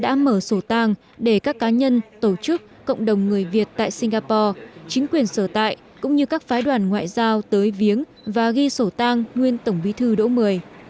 đại sứ quán tại singapore đã mở sổ tăng để các cá nhân tổ chức cộng đồng người việt tại singapore chính quyền sở tại cũng như các phái đoàn ngoại giao tới viếng và ghi sổ tăng nguyên tổng bí thư đỗ mười